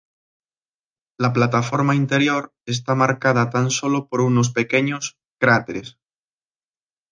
La plataforma interior está marcada tan solo por unos pequeños cráteres.